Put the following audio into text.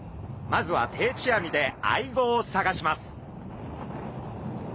まずは定置網でアイゴを探します。